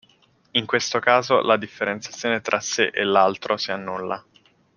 In questo caso la differenziazione tra sé e l'altro si annulla.